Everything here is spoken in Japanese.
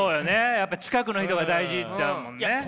やっぱ近くの人が大事ってあるもんね。